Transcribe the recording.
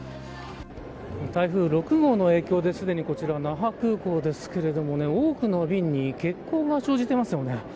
台風６号の影響ですでにこちら、那覇空港ですけど多くの便に欠航が生じていますね。